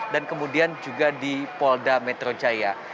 dan kemudian juga di polda metro jaya